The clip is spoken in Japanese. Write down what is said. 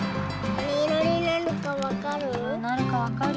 なにいろになるかわかる？